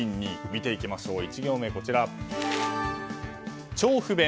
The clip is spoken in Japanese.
見ていきましょう、１行目は超不便？